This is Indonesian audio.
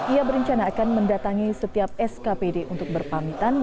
ia berencana akan mendatangi setiap skpd untuk berpamitan